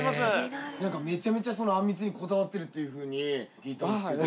何かめちゃめちゃあんみつにこだわってるっていうふうに聞いたんですけど。